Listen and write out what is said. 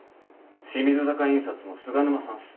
清水坂印刷の菅沼さんっす。